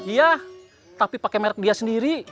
iya tapi pakai merek dia sendiri